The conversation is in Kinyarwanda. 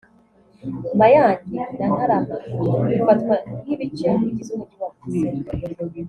Mayange na Ntarama ifatwa nk’ibice bigize umujyi wa Bugesera